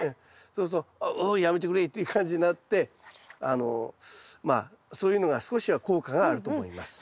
そうすると「ううっやめてくれ」っていう感じになってあのまあそういうのが少しは効果があると思います。